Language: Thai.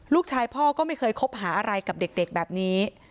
ลูกชายพ่อก็ไม่เคยคบหาอะไรกับเด็กแบบนี้